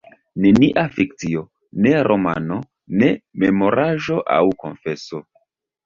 Nenia fikcio, ne romano, ne memoraĵo aŭ konfeso.